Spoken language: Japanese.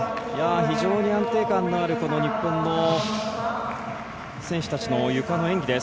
非常に安定感のある日本の選手たちのゆかの演技です。